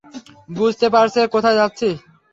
বুঝতে পারছ কোথায় যাচ্ছি?